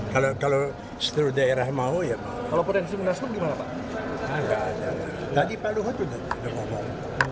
kalau seluruh daerah mau ya mau